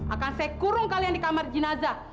akan saya kurung kalian di kamar jenazah